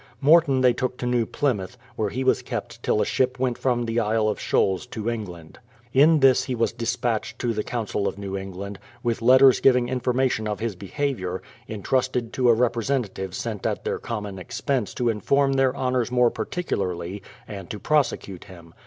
Morton they took to New Plymouth, where he was kept till a ship went from the Isle of Shoals to England. In this he was dispatched to the Council of New England, with letters giving information of his be haviour, entrusted to a representative sent at tlieir com mon expense to inform their honours more particularly, and to prosecute him.